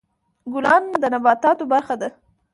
ګلان د نباتاتو برخه ده.